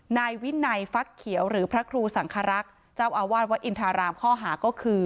นายวินัยฟักเขียวหรือพระครูสังครักษ์เจ้าอาวาสวัดอินทรารามข้อหาก็คือ